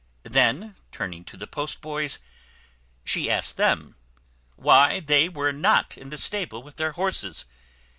Then, turning to the post boys, she asked them, "Why they were not in the stable with their horses?